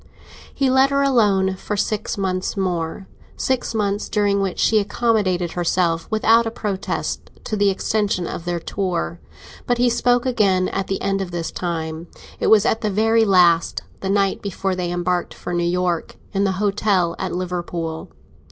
He let her alone for six months more—six months during which she accommodated herself without a protest to the extension of their tour. But he spoke again at the end of this time; it was at the very last, the night before they embarked for New York, in the hotel at Liverpool.